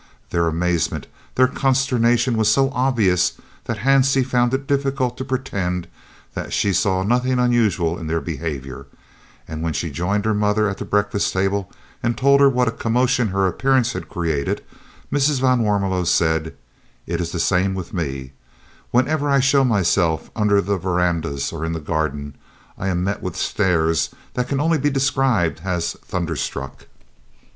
Their amazement, their consternation was so obvious that Hansie found it difficult to pretend that she saw nothing unusual in their behaviour, and when she joined her mother at the breakfast table and told her what a commotion her appearance had created, Mrs. van Warmelo said: "It is the same with me. Wherever I show myself under the verandahs or in the garden, I am met with stares that can only be described as thunderstruck."